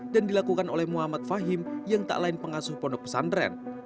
dan dilakukan oleh muhammad fahim yang tak lain pengasuh pondok pesantren